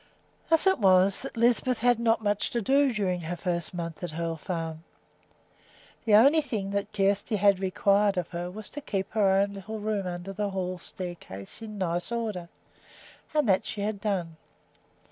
Thus it was that Lisbeth had not had much to do during her first month at Hoel Farm. The only thing that Kjersti had required of her was to keep her own little room under the hall staircase in nice order, and that she had done.